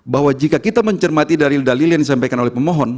bahwa jika kita mencermati dalil dalil yang disampaikan oleh pemohon